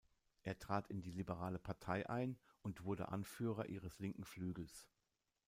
Er trat in die Liberale Partei ein und wurde Anführer ihres linken Flügels.